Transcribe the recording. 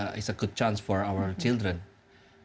lalu saya melihat ini adalah kesempatan yang baik untuk anak anak kita